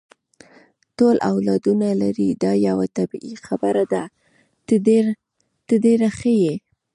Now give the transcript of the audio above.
ټول اولادونه لري، دا یوه طبیعي خبره ده، ته ډېره ښه یې.